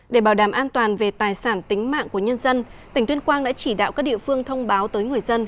để bảo đảm an toàn về tài sản tính mạng của nhân dân tỉnh tuyên quang đã chỉ đạo các địa phương thông báo tới người dân